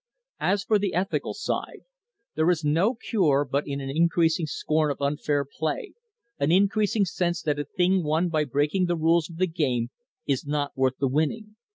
As for the ethical side, there is no cure but in an increasing scorn of unfair play an increasing sense that a thing won by breaking the rules of the game is not worth the winning.